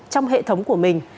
trong hệ thống của mình